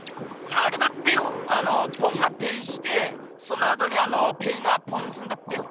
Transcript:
あれだっぺよあのポンがペイしてそのあとにあのペイがポンすんだっぺよ。